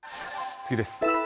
次です。